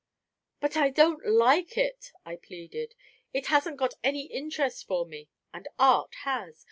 "But I don't like it," I pleaded. "It hasn't got any interest for me, and art has.